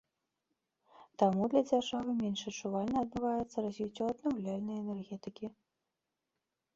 Таму для дзяржавы менш адчувальна адбываецца развіццё аднаўляльнай энергетыкі.